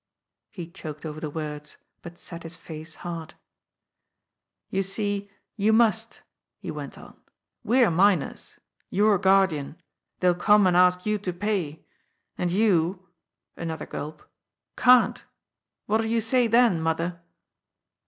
He choked over the words, but set his face hard. "You see, you must," he went on. "We're minors. You're guardian. They'll come and ask you to pay. And you" — another gulp — "can't. What'll you say, then, mother?"